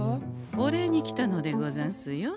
お礼に来たのでござんすよ。